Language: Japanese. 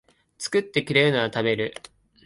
作ってくれるなら食べる